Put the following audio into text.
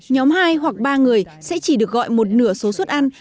nhóm hai hoặc ba người sẽ chỉ được gọi một nửa số suất ăn